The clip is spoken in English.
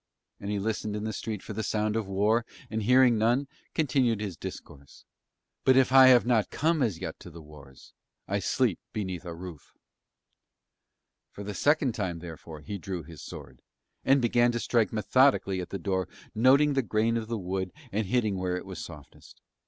And he listened in the street for the sound of war and, hearing none, continued his discourse. "But if I have not come as yet to the wars I sleep beneath a roof." For the second time therefore he drew his sword, and began to strike methodically at the door, noting the grain in the wood and hitting where it was softest.